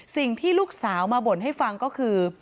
สิ่งที่ลูกสาวมาบ่นให้ฟังก็คือ